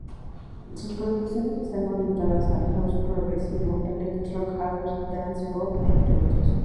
Sus producciones están orientadas al house progresivo, electro house, Dance pop, entre otros.